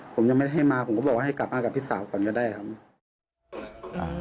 ผมก็บอกให้กลับมากับพี่สาวก่อนก็ได้ครับ